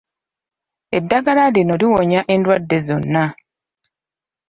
Eddagala lino liwonya endwadde zonna.